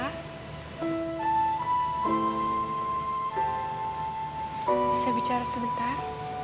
bisa bicara sebentar